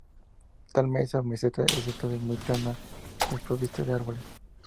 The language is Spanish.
Tal mesa o meseta es entonces muy plana y desprovista de árboles.